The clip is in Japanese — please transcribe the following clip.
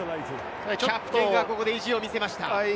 キャプテンが意地を見せました。